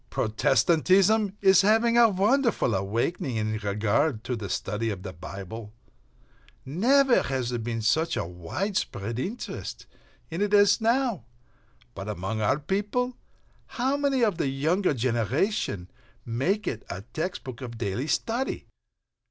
Protestantism is having a wonderful awakening in regard to the study of the Bible. Never has there been such a widespread interest in it as now. But among our people, how many of the younger generation make it a text book of daily study?